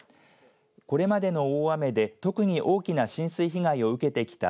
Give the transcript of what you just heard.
これまでの大雨で特に大きな浸水被害を受けてきた